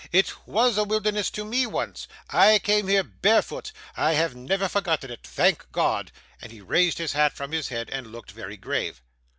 'It was a wilderness to me once. I came here barefoot. I have never forgotten it. Thank God!' and he raised his hat from his head, and looked very grave.